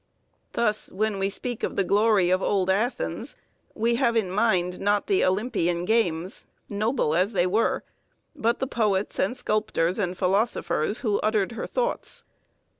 Thus, when we speak of the glory of old Athens we have in mind not the Olympian games, noble as they were, but the poets and sculptors and philosophers who uttered her thoughts.